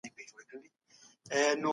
هغه خپل ضعف قوي کړ.